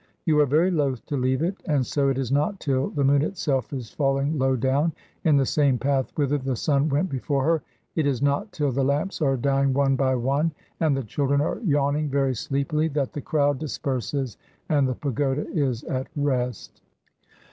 You are very loath to leave it, and so it is not till the moon itself is falling low down in the same path whither the sun went before her, it is not till the lamps are dying one by one and the children are yawning very sleepily, that the crowd disperses and the pagoda is at rest.